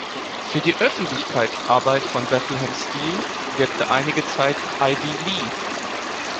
Für die Öffentlichkeitsarbeit von Bethlehem Steel wirkte einige Zeit Ivy Lee.